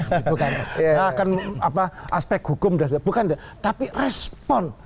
saya akan apa aspek hukum bukan itu tapi respon